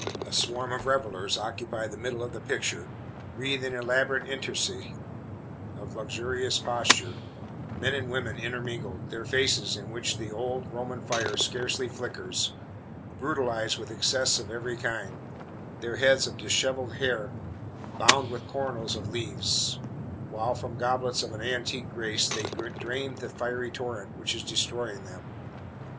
A swarm of revellers occupy the middle of the picture, wreathed in elaborate intricacy of luxurious posture, men and women intermingled; their faces, in which the old Roman fire scarcely flickers, brutalized with excess of every kind; their heads of dishevelled hair bound with coronals of leaves, while, from goblets of an antique grace, they drain the fiery torrent which is destroying them.